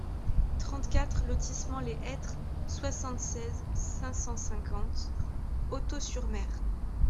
trente-quatre lotissement Les Hetres, soixante-seize, cinq cent cinquante, Hautot-sur-Mer